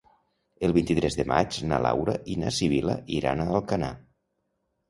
El vint-i-tres de maig na Laura i na Sibil·la iran a Alcanar.